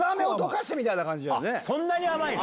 そんなに甘いの？